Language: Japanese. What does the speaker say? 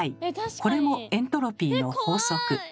これもエントロピーの法則。